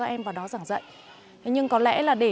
à phản áng đúng nào